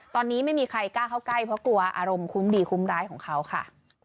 ตอนนี้ไม่มีใครกล้าเข้าใกล้เพราะกลัวอารมณ์คุ้มดีคุ้มร้ายของเขาค่ะ